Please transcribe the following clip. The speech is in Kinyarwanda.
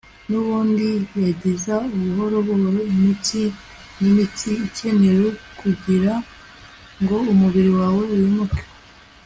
nubundi yangiza buhoro buhoro imitsi n'imitsi ikenewe kugirango umubiri wawe wimuke